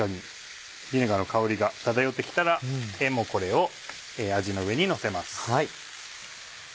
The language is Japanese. ビネガーの香りが漂って来たらこれをあじの上にのせます。